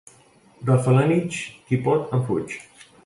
De Felanitx, qui pot en fuig.